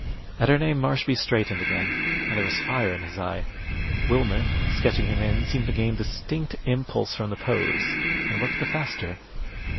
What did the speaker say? At her name, Marshby straightened again, and there was fire in his eye. Wilmer, sketching him in, seemed to gain distinct impulse from the pose, and worked the faster.